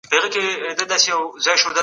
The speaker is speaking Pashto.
علمي وده په ټولنه کي فرهنګي غنا رامنځته کوي.